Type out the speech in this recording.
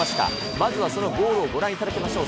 まずはそのゴールをご覧いただきましょう。